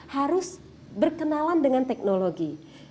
harus berkenalan dengan teknologi